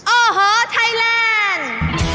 โอฮอล์ไทยแลนด์